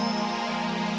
aku sudah lebih